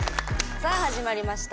さあ始まりました。